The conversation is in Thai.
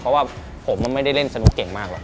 เพราะว่าผมไม่ได้เล่นสนุกเก่งมากหรอก